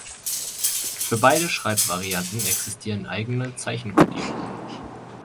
Für beide Schreibvarianten existieren eigene Zeichenkodierungen.